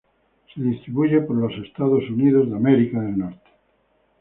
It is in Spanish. Se distribuye por Estados Unidos.